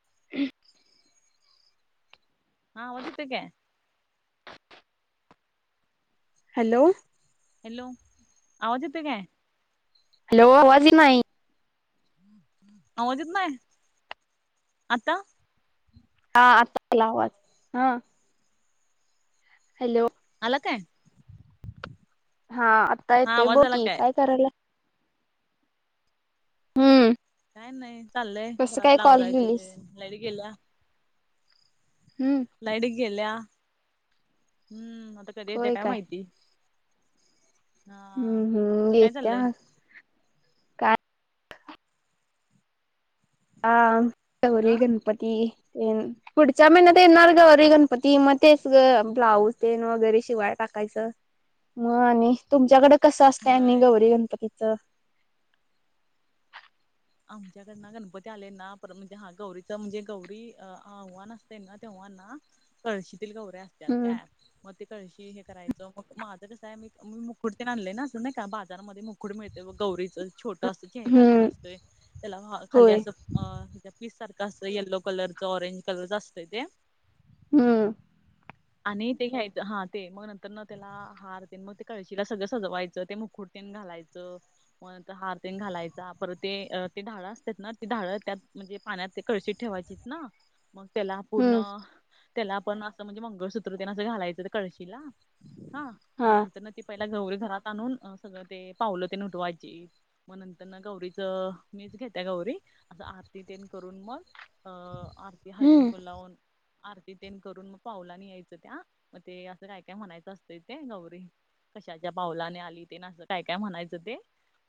[inaudible] हा आवाज येतोय का? हॅलो. हॅलो, आवाज येतोय काय? हॅलो! आवाज ई नहीं. अवाज येत नाही? आता? हा आता आला आवाज, हा. हॅलो. आला काय? हा आता हा येतोय. आवाज बोल आला की काय करायला? हम्म काय नाही, चाललंय कसं काय घरातल कॉल आवरायचं केलीस तेन लाईट गेल्या. हम्म. लाईट गेल्या, हम्म. आता कधी येत्या काय माहिती. हा हम्म हम्म तुझं काय चाललंय येत्याल. हा हा गौरी, गणपती, पुढच्या महिन्यात येणार गौरी गणपती. हे मग तेच ग ब्लाऊज तेन वगैरे शिवाय टाकायचं मग आणि तुमच्याकडे कसं असते आणि होय गौरी गणपतीचं? आमच्याकडन गणपती आले ना पर म्हणजे हा गौरीचा म्हणजे गौरी आव्हान असते ना तेव्हाना कळशीतील गौऱ्या असतात हम्म काय, मग ते कळशी हे कराय मग माझं कसं आहे म मी मुकुट ते आणलेय ना, असं नाही का बाजारमध्ये मुकुट मिळते गौरीच. छोट असत चेहरा तेन हम्म असतो त्याला खाली होय असं हम्म ते पीस सारखा अस यल्लो कलरचं, ऑरेंज कलरच असतंय ते. हम आणि ते घ्यायचं हार ते मग नंतर न त्याला हार तेन मग ते कळशीला सगळं सजवायचं ते मुकुट तेन घालायचं, मग नंतर हार तेन घालायचा परत ते ते डहाळ असतात ना ती ढाळं त्यात म्हणजे पाण्यात ते कळशी ठेवायचीत ना? मग त्याला पूर्ण हम्म त्याला आपण असं म्हणजे मंगळसूत्र तेन असं घालायचं, त्या कळशीला हा मग नंतरन. ती पहिला गौरी घरात आणून, सगळं ते पावलं तेन उटवायची मग नंतर न गौरीचं. मीच घेते गौरी आरती तेन करून मग अं आरती हळदी हम्म कुंकू लावून आरती तेन करून मग पाऊलानी यायचं त्या मग ते असं काय काय म्हणायचं असतं ते गौरी कशाच्या पावलाने आली तेन असं काय काय म्हणायचं ते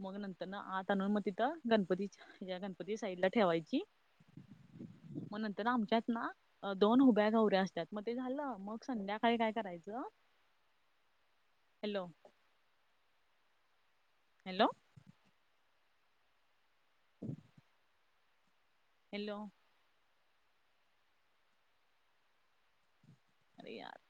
मग नंतर आत आणून मग तिथं गणपतीच्या या गणपती साईडला ठेवायची, मग नंतर आमच्यात ना! दोन उभ्या गौऱ्या असत्यात, मग ते झालं मग संध्याकाळी काय करायचं [inaudible] हॅलो. हॅलो. [inaudible] हॅलो. अरे! यार.